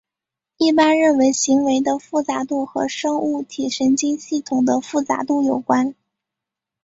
一般认为行为的复杂度和生物体神经系统的复杂度有关。